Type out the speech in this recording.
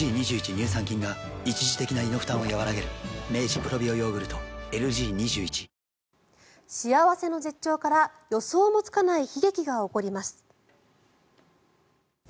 乳酸菌が一時的な胃の負担をやわらげる幸せの絶頂から予想もつかない悲劇が起こります。